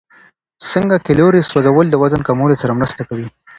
څنګه کالوري سوځول د وزن کمولو سره مرسته کوي؟